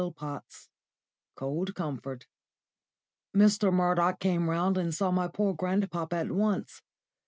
* *COLD COMFORT.* Mr. Murdoch came round and saw my poor grandpapa at once.